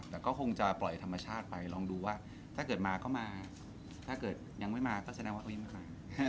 แต่ก็คงจะปล่อยธรรมชาติไปลองดูว่าถ้าเกิดมาก็มาถ้าเกิดยังไม่มาก็แสดงว่าตัวเองไม่มา